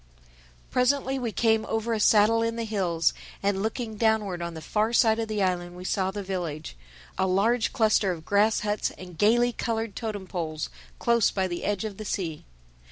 Presently we came over a saddle in the hills, and looking downward on the far side of the island, we saw the village—a large cluster of grass huts and gaily colored totem poles close by the edge of the sea.